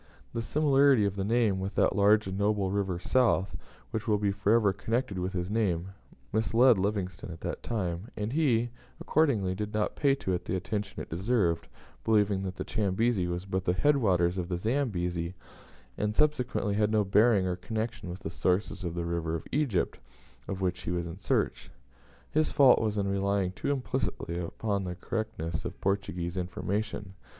The similarity of the name with that large and noble river south, which will be for ever connected with his name, misled Livingstone at that time, and he, accordingly, did not pay to it the attention it deserved, believing that the Chambezi was but the head waters of the Zambezi, and consequently had no bearing or connection with the sources of the river of Egypt, of which he was in search. His fault was in relying too implicitly upon the correctness of Portuguese information.